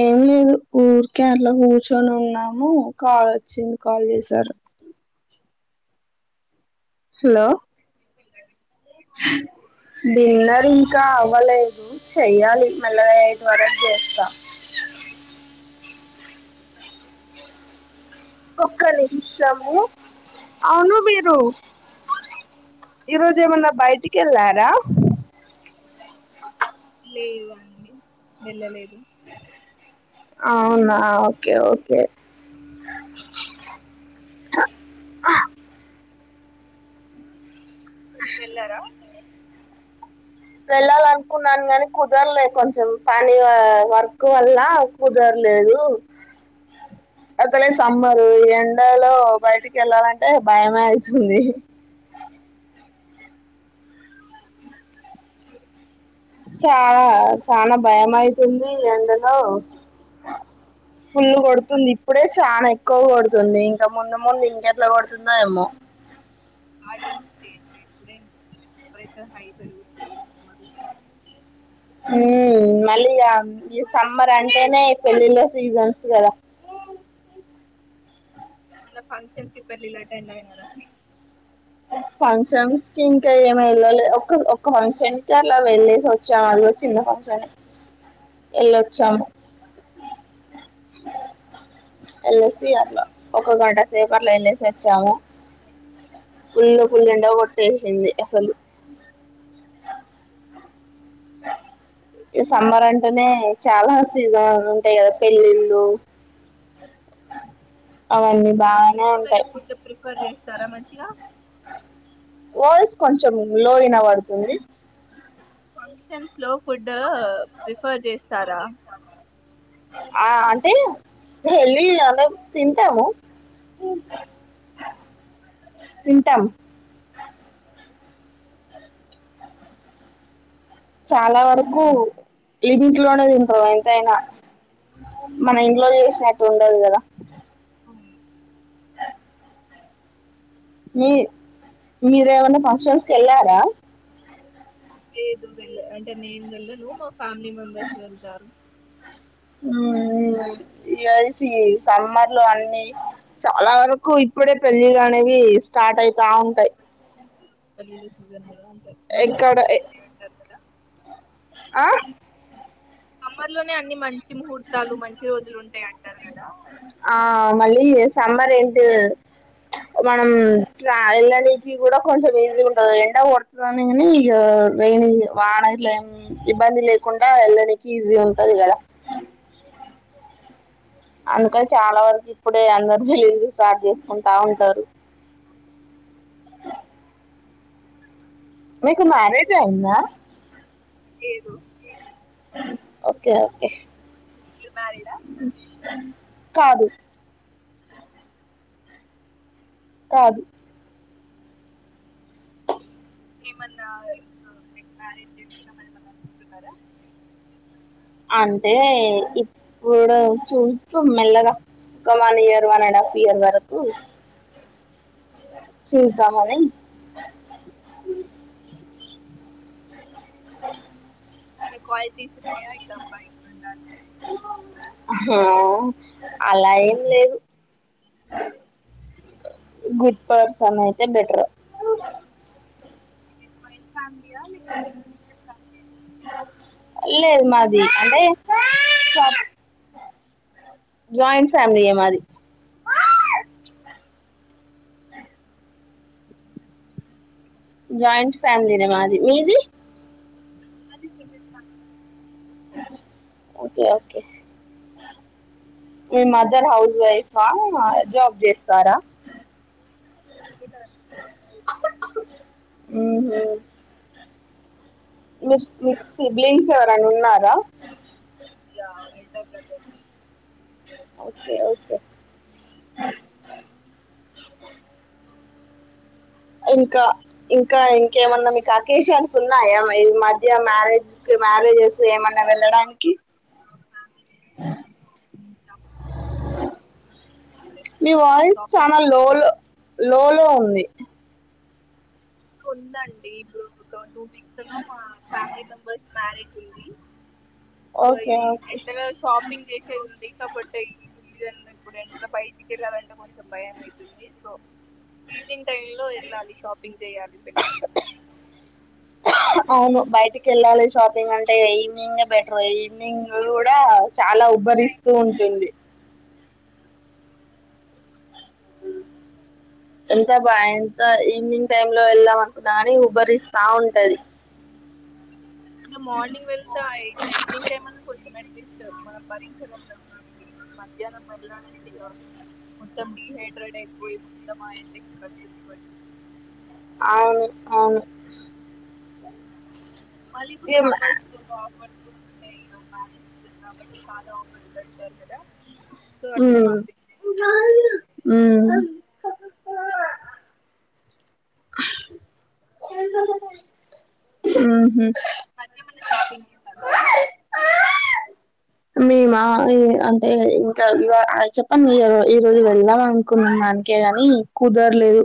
ఏం లేదు ఊరి కేరళ కూర్చొని ఉన్నాము కాల్ వచ్చింది కాల్ చేశారు హలో కిక్ డిన్నర్ ఇంకా అవ్వలేదు చెయ్యాలి మెల్లగా ఎయిట్ వరకు చేస్తా ఒక్క నిమిషము అవును మీరు ఈరోజు ఏమన్నా బయటికి వెళ్లారా లేదు అండి వెళ్ళలేదు అవునా ఓకే ఓకే వెళ్లారా వెళ్ళాలనుకున్నాను కాగాని కుదరలే కొంచెం పని వర్క్ వల్ల కుదరలేదు అసలే సమ్మరు ఎడాలో బయటికి వెళ్ళాలంటే భయమే అతుంది చనా చనా భయం అయితుంది ఎండలో ఫుల్లు మరి కొడుతుంది ఇప్పుడే వెళ్ళారా? చనా ఎక్కువ కొడుతుంది ఇంకా ముందు ముందు ఇంకెట్లా కొడుతుందా ఏమో ఇప్పుడే టెంపరేచర్ హైట్ హమ్ మళ్ళీ ఈ సమ్మర్ అంటేనే పెళ్ళిళ సీజన్స్ కదా మైన ఫంక్షన్స్ కి పెళ్లిళ్లు అటెండ్ అయినారా ఫంక్షన్స్ కి ఇంకా ఏమి వెళ్ళలే ఒక ఒకక్క ఫంక్షన్ కి అలా వెళ్ళేసి వచ్చాముళ చిన్న ఫంక్షన్ వెళ్ళొచ్చాము వెళ్ళసి అట్లా ఒక గంట సేపర్లో వెళ్ళేసి వచ్చాము ఫుల్లు ఫుల్లుల్లెండో కొట్టేసింది అసలు ఇ సమ్మర్ అంటేనే చాలా సీజన్ ఉంటాయి కదా పెళ్ళిళ్ళు ఉమ్ అయ్యిందా మీరు ఫుడ్ ప్రిఫర్ చేస్తారా మంచిగా వాయిస్ కొంచెం లోయినా వడుతుంది ఫంక్షన్స్ లో ఫుడ్ ప్రిఫ్ ఫర్ జేస్తారా లీ హెల్ది అంటే తింటాము చింటమ్ చాలా వరకు లిమిట్ లోనే తింటారు ఎంతయినా మన ఇంట్లో చేసినట్లు ఉండదు కదా అవును. మీ మీరేమన్నా ఫంక్షన్స్ కెల్లారా లేదు వెళ్ళ అంటే నేను మా వ్ ఫ్యామిలీ మెంబర్స్ వెళ్తారు ఉ ఇసి సమ్మర్లు అన్ని చాలా వరకు ఇప్పుడే పెళ్ళిళ్ళనేవి స్టార్ట్ అయితా ఉంటాయి పలిల సీజన్ లేదా ఎక్కడ ఆ సమ్మర్ లోనే అన్ని మంచి ముహూర్తాలు మంచి రోజులు ఉంటాయి అంటారు కదా ఆ మళ్ళీ చెస్ సమ్మర్ ఏంటి మనం వెళ్ళనీనకి కూడా కొంచెం ఈజీ ఉంటంది ఎండ కొడుతుదని గానీ ఇక వెని వాన ఇట్లా ఏం ఇబ్బంది లేకుండా ఏళ్ళనీకి ఈజీ ఉంటది కదా అందుకని చాలా వరకు ఇప్పుడే అందరు బిలీళ్ళు చేసుకుంటా ఉంటారు మీకు మ్యారేజ్ అంద ఏదో ఓకే ఓకే మీరు మరిడా కాదు కాదు ఏమన్నాలైక్ ఆ మ్యారేజ్ చేసున్నామని ఏమ అనుకుంటున్నారా అంటే ఇప్పుడు చూస్తు మెల్లగా one year one and half year వరకు చూదామని బ ఏమన్న క్వాలిటీస్ వున్నాయ ఇద్దప్ప ఇట్లా అబ్బాయి ఉండాలి అలా ఏం లేదు గుడ్ పర్సన్ అయితే బెటర్ ఎక్కువైతంది [inaudible] లేదు మాది అంటే జాయింట్ ఫేమలీఏ మాది జాయింట్ ఫ్యామిలీనే మాది మీది మాది సింగిల్ ఫ్యామిలీ ఓకే ఓకే మీ మదర్ హౌస్ వైఫా జాబ్ చేస్తారా ఇధా ఉహుమ్ మిర్స్ మిక్సీ బ్లీన్స్ ఎవరన్న ఉన్నారా yeah elder brother okay okay ఇంకా ఇంకా చేశారా ఇంకేమన్నా మీకు అకేషన్స్ ఉన్నాయా ఈ మధ్య మ్యారేజ్కి మ్యారేజెస్ ఏమన్నా ఆ వెళ్ళడానికి మా ఫ్యామిలీ మీ వాయిస్ షాపింగ్ కి చానా లో లో లో లో ఉంది ఉందండి ఇప్పుడు ఒక టూ వీక్స్ లో మా ఫ్యామిలీ మెంబర్స్ మ్యారేజ్ ఉంది ఓకే ఇ ఓకే ఎండలో షాపింగ్ చేసేది ఉంది కాబట్టి సిజన్ ఇప్పుడు ఎండలో బయటికి వెళ్ళాలంటే కొంచెం భయం ఐతుంది సో ఈవినింగ్ టైమ్ లో వెళ్ళాలి షాపింగ్ పెళ్లికి అవును బయటికెళ్ళాలి షాపింగ్ అంటే ఈవినింగే బెటర్ ఈవ్ న్నింగ్ ఇగ కూడా చాల ఉబ్బరిస్తూ ఉంటుంది. ఎంత బా ఎంత ఈవినింగ్ టైమ్లో వెళ్దాం అనుకున్నా కాని ఉబ్బరిస్తా ఉంటది ఇక మార్నింగ్ వెళ్తా ఇట్ల ఈవినింగ్ టైమ్ అన్న కొడుతుంద ఎం భరిస్తాం మనం భరించగల్గుతాం కాని ఈ మధ్యాహ్నం మళ్లాంటే మొత్తం డీహైడ్రేట్ అయిపోయి మొత్తం ఆ ఎండకి కళ్ళు తిరిగి పడిపో ఆవును అవును మళ్ళీ కూడా ఏం- స్తంభాలెస్తున్నరు ఆఫ్ ఆఫర్స్ కూడుంటాయి బాలేవు డిజైన్స్ కాబట్టి చాలా ఆఫర్స్ పెడతారు కదా సో అట్లా ఉమ్ షాపింగ్ చే ఉమ్ ఉహుమ్ మద్యేమన్న షాపింగ్ చేసారు ఉ మేమా అ అంటే ఇంకా ఈ అ చెప్పం ఈ రోజు వెళ్ళాలనుకున్నానికే ని కుదరలేదు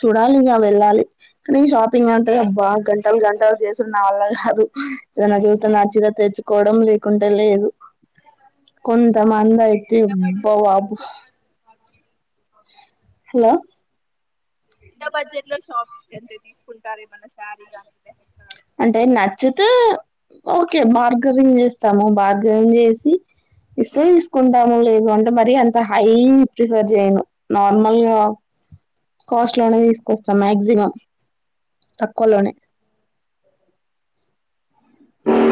చూడాలి ఇక వెళ్ళాలి కానీ షాపింగ్ అంటే అబ్బా గంటలు గంటలు చేసుడు నా వల్ల కా దు ఏదన్న నచ్చితె తెచ్చుకోవడం లేకుంటే లేదు కొన్ ఇంత మీరు మందయితే ఎంత అబ్బ బడ్జెట్ లో వాపు తీసుకుంటారు నార్మల్ హలో ఇంత బడ్జెట్ లో షాప్ ఎంత తీసుకుంటారే మన శారికి ఆ అంటే నచ్చితే ఓకే బార్గరింగ్ జేస్తాము బార్గరింగ్ చేసి ఇస్తే తీసుకుంటాము లేదు అంటే మరి అంత హైప్రిపేర్ చేయను నార్మల్ గా కాస్ట్ లోనే తీసుకొస్తాం మాక్సిమం తక్కువలోనే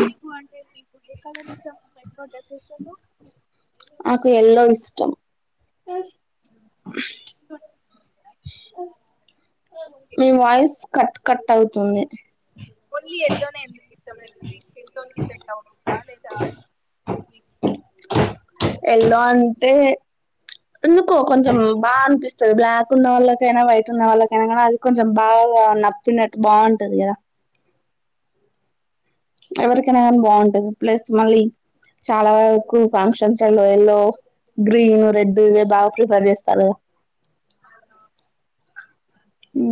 నీకు అంటే మీకు ఏ కలర్ ఇష్టం వైట్ ఫ్రాక్ డ్రెస్ అ ఓన్లీ మీ వాయిస్ కట్ కట్ అవుతుంది ఇహి ఓన్లీ ఎల్లోనే ఎందుకు ఇష్టం లేదు మీస్కిల్ టోన్ కి సెట్ అవుతుందా లేదా మీకు ఎల్ల అంటే ఎందుకో కొంచెం బానిపిస్తది బ్లాక్ ఉన్న వాళ్ళకైన వైట్ ఉన్న వాళ్ళకైన కూడ అది కొంచెం బాగా నప్పినట్టు బాగుంటది గదా ఎవరికైనా కానీ బాగుంటది ప్లస్ మళ్ళీ చాలా వరకు ఫంక్షన్స్ లల్లో ఎల్లో గ్రీన్ రెడ్డు ఇవే బాగా ప్రిఫర్ చేస్తారు కదా ఉ..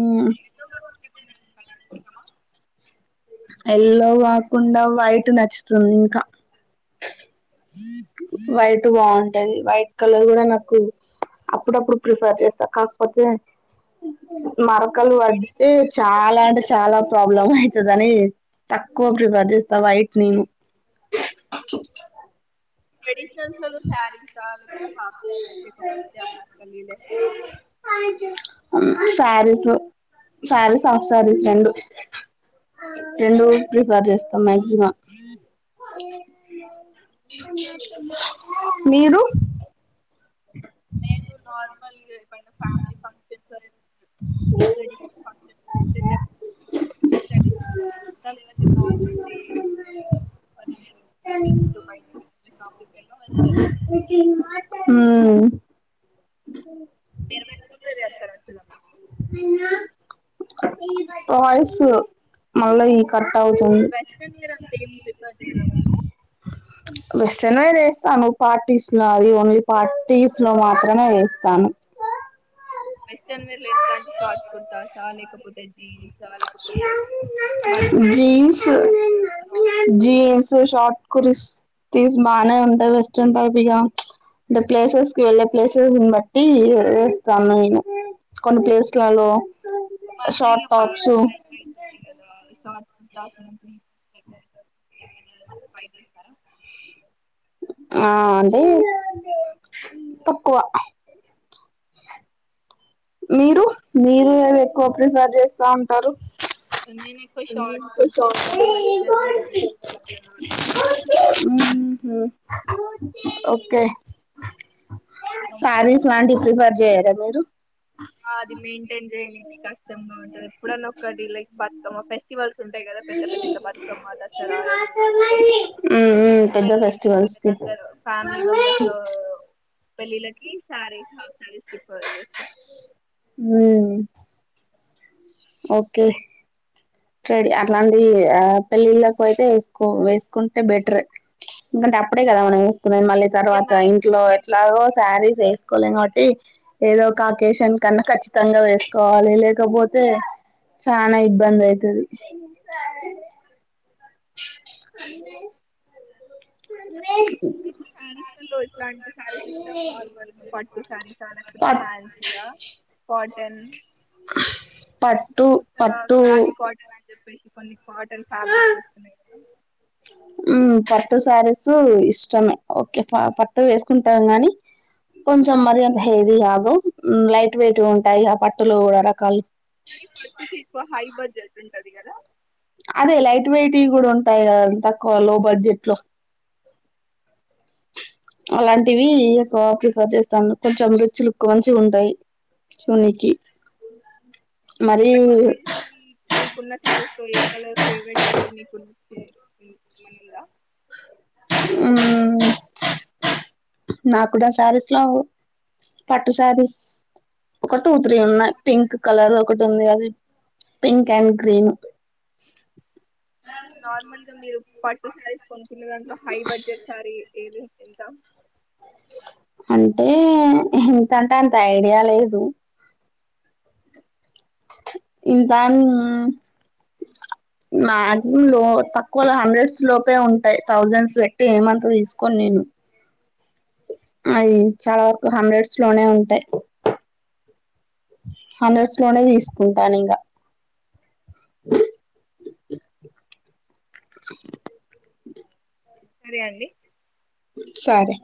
ఎల్లో కాకుండా ఏమైనా కలర్ ఇష్టమా ఎల్లో కాకుండా వైట్ నచ్చుతుంది ఇంకా వైట్ బాగుంటది వైట్ కలర్ కూడ నాకు అప్పుడప్పుడు ప్రిఫర్ చేస్తా కాకపోతే మర పక్కలు పడితే ట్రెడిషనల్ చాలా అంటే చాల ప్రాబ్లం అయి కని తక్కువ ప్రిఫేర్ చేస్తా వైట్ నేను ట్రెడిషనల్స్ లలో సారీస్ల్ హాఫ్ సారీస్ లేకపోతే అనార్కలి లే నాకు శారీసు శారీస్ ఆఫ్ శారీస్ రెండు రెండు ప్రిఫర్ చేస్తాం మ్యాక్సిమం మీరు నేను నార్మల్ గు పైన ఫ్యామిలి ఫంక్షన్ స లేర్ల్ ఉం మీరు వేస్తుంటది ఎంతారు అసలా మీకు వయసు మళ్ళా ఈ కట్ అవుతుంది వెస్ట్రన్ మీరు అంతా ఏం ప్రిఫర్ చేయరా మీరు వెస్టర్న్ ఏ చేస్తాను పార్టీస్లా అది ఓన్లీ పార్టీస్ లో మా త్రమే వేస్తాను వెస్ట్రన్ వేర్ లో ఎట్లాంటి షార్ట్ కుర్తాసా లేకపోతే జీన్స్ జీన్స్ మిడ్డీస్ ఉంటాయి కదా frocks jeans short kurtis బానే ఉంటాయి వెస్ట్రన్ టైప్గా అంటే ప్లేసెస్ కి వెళ్ళే ప్లేసెస్ని బట్టి వేస్తాను నేను కొన్ని ప్లేస్లలో షార్ట్ టాప్స్ యిదా [inaudible] [inaudible] ఆ అంటే తక్కువ మీరు మీరు ఏది ఎక్కువ ప్రిఫర్ చేస్తా ఉంటారు నేను ఎక్కువ అన్ని షార్ట్ ఫ్రాక్స్ కుర్తిస్తోను వెస్ట్రన్ వేర్ మిడ్డీస్ ఎక్కువ నార్మల్గా కొంటానండి ఊమ్ ఒకే కంఫర్ట్ సారీస్ ఉంటుంది. లాంటివి ప్రిఫర్ చేయ మీరు అది మెయింటైన్ చేయడానికి కష్టంగా ఉంటది ఎప్పుడన్నా ఒక్కటి లైక్ బతుకమ్మ ఫెస్టివల్స్ ఉం ఊమ్ ఏమన్నా ఉమ్ పెద్ద పెళ్ళి ఫెస్టివల్స్ కి దగ్గర పెళ్లిల్లకి సారీస్ హాఫ్ సారీస్ ప్రిఫర్ చేస్తా ఊమ్ ఓకే రెడీ అట్లాంటి పెళ్ళిళ్ళలకు అయితే వేసుకో వేసుకుంటే బెటర్ ఎందుకంటే అప్పుడే కదా మనం వేసుకునేది మళ్ళీ ఇగ తర్వాత మ్యాక్సిమం ఇంట్లో పెళ్ళి ఎట్లాగో శారీస్ వేసుకోలేం కాబట్టి ఏదో ఒక అకేషన్ కన్నా ఖచ్చితంగా వేసుకోవాలి లేకపో తే చానా ఇబ్బంది ఐతది అనీ మ మీకు ఫాన్సీలో ఇలాంటి శారీస్ ఇష్టం కాదు వాళ్లకి నార్మల్ గా పట్టు శారీసా లేకపోతే పట్ ఫ్యాన్సయా కాటన్ పట్టు ఇప్పుడు కొత్తగా పట్టు కాది కాటన్ అని చెప్పేసి కొన్ని కాటన్ ఫాబ్రిక్స్ వస్తున్నాయి కదా ఊమ్ పట్టు శారీసు ఇష్టమే ఓకే పట్టు వేసుకుంటాం గాని కొంచం మరింత హెవీ కాదు లైట్ వెయిట్ ఉంటాయి ఆ పట్టులో కూడా రకాలు కాని పట్టు కి ఎక్కువ హై బడ్జెట్ ఉంటది కదా అదే లైట్ వెయిట్ వి కూడ ఉంటాయి కదా తక్కువ లో బడ్జెట్ లో అలాంటివి ఎక్కువ ప్రిఫర్ చేస్తాను కొంచెం రిచ్ లుక్ మంచి ఉంటాయి చూనికి మరీ పట్టు శారీస్ లో మీ మీకున్న సారీస్ లో ఎ కలర్ ఫేవరెట్ ఏది మీకు నచ్చింది ఏమైన ఉంద నా కూడ శారీస్ లో పట్టు శారీస్ ఒక టు త్రి ఉన్నాయ్ అంటే పింక్ కలరు ఒకటి ఉంది అది పింక్ అండ్ గ్రీన్ నార్మల్ గ మీరు పట్టు సారిస్ కొనుక్కునే దాంట్లో హై బడ్జెట్ సారీ అంటే ఎంతంటే అంత ఐడియా లేదు ఇంత మాక్సిమం లో తక్కువ లో హండ్రెడ్స్ లోపే ఉంటాయి థౌజండ్స్ పెట్టి ఏమంతా తీసుకోను నేను నావి చాల వరకు హండ్రెడ్స్ లోనే ఉంటాయి హండ్రడ్స్ లోనే తీసుకుంటాను ఇంగ సరే అండి సరే